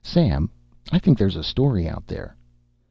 "Sam, I think there's a story out there."